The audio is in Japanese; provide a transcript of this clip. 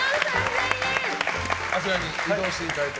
あちらに移動していただいて。